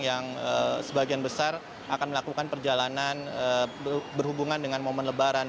yang sebagian besar akan melakukan perjalanan berhubungan dengan momen lebaran